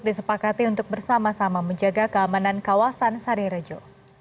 disepakati untuk bersama sama menjaga keamanan kawasan sari rejo